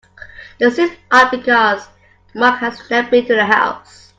That seems odd because Mark has never been to the house.